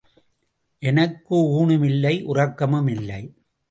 எனக்கு ஊணும் இல்லை உறக்கமும் இல்லை.